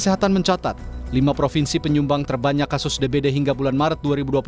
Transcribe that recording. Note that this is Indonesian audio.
kesehatan mencatat lima provinsi penyumbang terbanyak kasus dbd hingga bulan maret dua ribu dua puluh satu